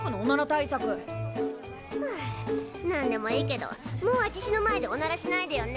はあなんでもいいけどもうあちしの前でおならしないでよね。